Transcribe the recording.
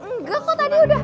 nggak kok tadi udah